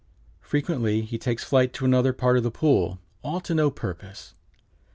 Frequently he takes flight to another part of the pool, all to no purpose.